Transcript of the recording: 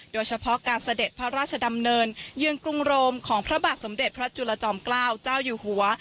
โดยเฉพาะการเสด็จพระราชดำเนินเยือนกรุงโรมของพระบาทสมเด็จพระจุลจอมเกล้าเจ้าอยู่หัว